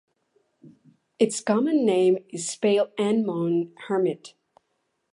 Its common name is pale anemone hermit.